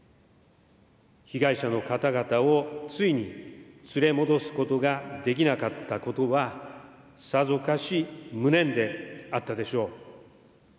被害者の方々をついに連れ戻すことができなかったことは、さぞかし無念であったでしょう。